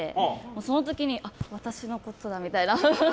その時に、私のことだみたいな。